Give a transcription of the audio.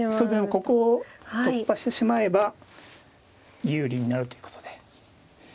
ここを突破してしまえば有利になるということで。